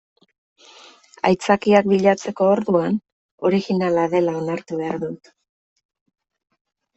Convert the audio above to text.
Aitzakiak bilatzeko orduan originala dela onartu behar dut.